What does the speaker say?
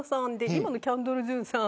今のキャンドル・ジュンさん